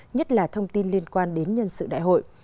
nhất là thông tin liên quan đến nhân sự đại hội